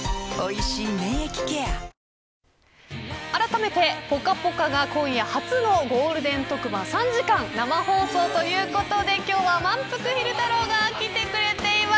あらためて、ぽかぽかが今夜初のゴールデン特番３時間生放送ということで今日はまんぷく昼太郎が来てくれています。